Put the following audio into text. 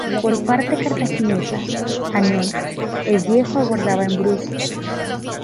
Por parte cartaginesa, Hannón el Viejo aguardaba en Brucia.